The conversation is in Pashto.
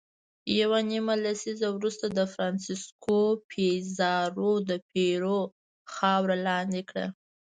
یوه نیمه لسیزه وروسته فرانسیسکو پیزارو د پیرو خاوره لاندې کړه.